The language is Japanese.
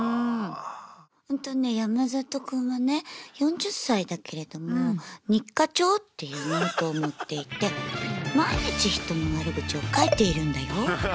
んとね山里くんはね４０歳だけれども日課帳っていうノートを持っていて毎日人の悪口を書いているんだよ。